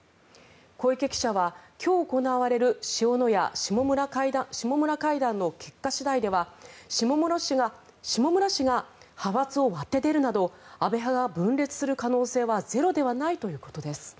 小池記者は今日行われる塩谷・下村会談の結果次第では下村氏が派閥を割って出るなど安倍派が分裂する可能性はゼロではないということです。